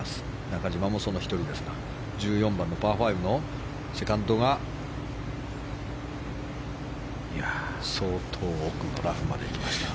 中島もその１人ですが１４番のパー５のセカンドが相当奥のラフまで行きました。